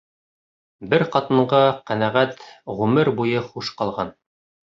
Бер ҡатынға ҡәнәғәт ғүмер буйы хуш ҡалған